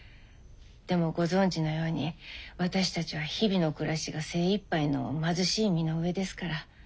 でもご存じのように私たちは日々の暮らしが精いっぱいの貧しい身の上ですから。